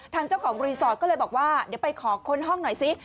ทางเจ้าของรีสอร์ทก็เลยบอกว่าเดี๋ยวไปขอค้นห้องหน่อยซิ